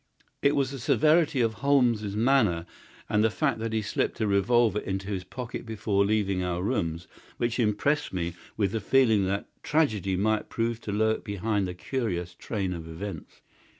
It was the severity of Holmes's manner and the fact that he slipped a revolver into his pocket before leaving our rooms which impressed me with the feeling that tragedy might prove to lurk behind this curious train of events.